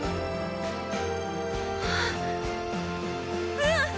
うん！